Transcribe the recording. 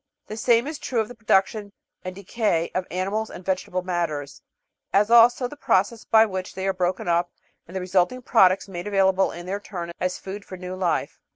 The same is true of the production and decay of animals and vegetable matters, as also the process by which they are broken up and the resulting products made available in. their turn as food for new life.